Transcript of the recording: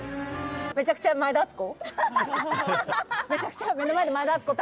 めちゃくちゃ前田敦子。